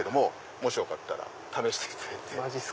もしよかったら試していただいて。